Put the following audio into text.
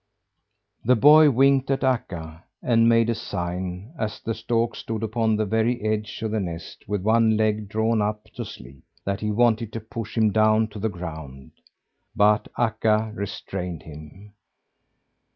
The boy winked at Akka, and made a sign as the stork stood upon the very edge of the nest, with one leg drawn up, to sleep that he wanted to push him down to the ground; but Akka restrained him.